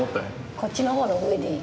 こっちの方の上でいい。